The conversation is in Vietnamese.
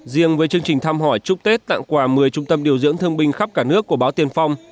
riêng với chương trình thăm hỏi chúc tết tặng quà một mươi trung tâm điều dưỡng thương binh khắp cả nước của báo tiền phong